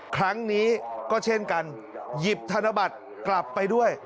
ครั้งนี้ก็เช่นกันหยิบธนบัตรกลับไปด้วย